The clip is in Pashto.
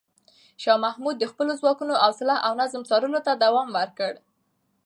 شاه محمود د خپلو ځواکونو حوصله او نظم څارلو ته دوام ورکړ.